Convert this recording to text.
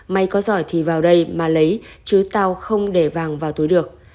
may có giỏi thì vào đây mà lấy chứ tau không để vàng vào túi được